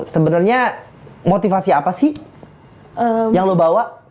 sebenarnya motivasi apa sih yang lo bawa